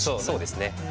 そうですね。